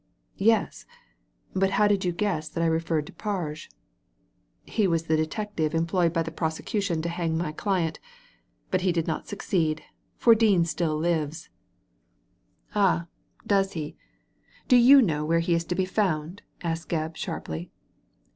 " Yes I But how did you guess that I referred to Parge?" *' He was the detective employed by the prosecution Digitized by Google 8o THE LADY FROM NOWHERE to hang my client ; but he did not succeed, for Dean still lives." ^'Ahy does he? Do you know where he is to be found ?" asked Gebb, sharply.